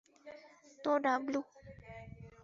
তো, ডাবলু?